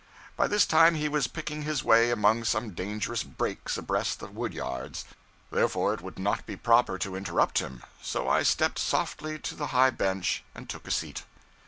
By this time he was picking his way among some dangerous 'breaks' abreast the woodyards; therefore it would not be proper to interrupt him; so I stepped softly to the high bench and took a seat.